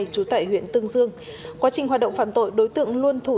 trú tại huyện tương dương quá trình hoạt động phạm tội đối tượng luôn thủ